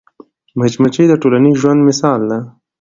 مچمچۍ د ټولنیز ژوند مثال ده